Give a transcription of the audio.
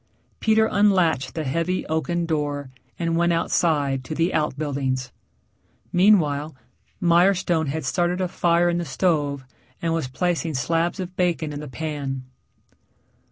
Peter unlatched the heavy oaken door and went outside to the outbuildings. Meanwhile, Mirestone had started a fire in the stove and was placing slabs of bacon in the pan.